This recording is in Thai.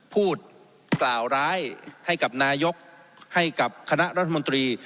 พูดกล่าวร้ายให้กับนายกให้กับคณะรัฐมนตรี